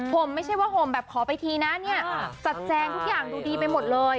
ผมไม่ใช่ว่าห่มแบบขอไปทีนะเนี่ยจัดแจงทุกอย่างดูดีไปหมดเลย